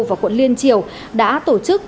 và quận liên triều đã tổ chức